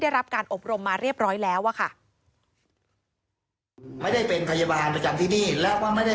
ได้รับการอบรมมาเรียบร้อยแล้วค่ะ